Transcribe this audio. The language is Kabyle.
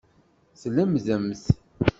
Tlemdemt.